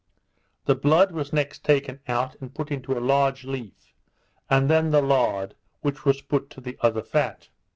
The blood was next taken out, and put into a large leaf, and then the lard, which was put to the other fat.